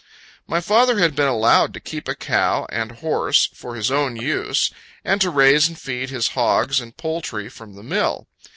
My father had been allowed to keep a cow and horse, for his own use; and to raise and feed his hogs and poultry from the mill.